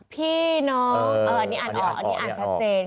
พี่น้องอันนี้อ่านออกอันนี้อ่านชัดเจน